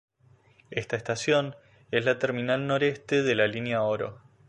Esta estación es la terminal noreste de la línea Oro.